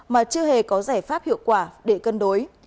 mà chưa hề có giải pháp hiệu quả để cân đối